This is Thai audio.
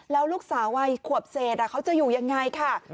แล้วลูกสาวไวขวบเสนอ่ะเขาจะอยู่ยังไงค่ะ